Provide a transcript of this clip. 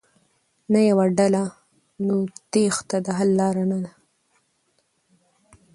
نه يوه ډله ،نو تېښته د حل لاره نه ده.